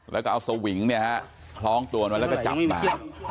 แล้วก็เอาสวิงเนี่ยฮะคล้องตัวมันมาแล้วก็จับมา